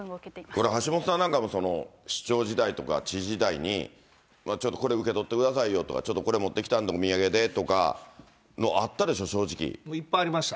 これ、橋下さんなんかも、市長時代とか知事時代に、ちょっとこれ受け取ってくださいよとか、ちょっとこれ持ってきたんで、いっぱいありました。